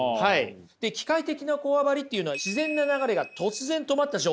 で機械的なこわばりっていうのは自然な流れが突然止まった状態。